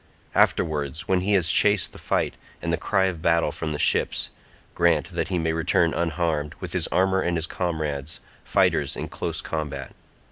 Afterwards when he has chased the fight and the cry of battle from the ships, grant that he may return unharmed, with his armour and his comrades, fighters in close combat."